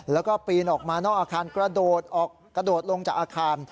แล้วก็ปีนออกมานอกอาคารกระโดดออกกระโดดลงจากอาคาร